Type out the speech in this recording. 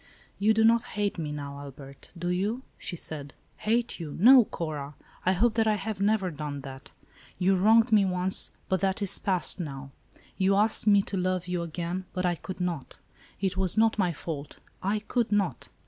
"You do not hate me, now, Albert, do you?" she said. "Hate you; no, Cora. I hope that I have never done that. You wronged me once, but that is passed, now. You asked me to love you again, but I could not. It was not my fault ; I could not."